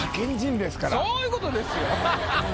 そういうことですよハハハ。